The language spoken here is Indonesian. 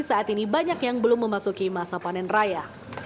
saat ini banyak yang belum memasuki masa panen raya